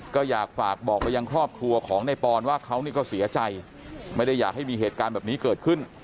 ก็อยากฝากบอกไปยังครอบครัวของในปอนว่าเขานี่ก็เสียใจไม่ได้อยากให้มีเหตุการณ์แบบนี้เกิดขึ้น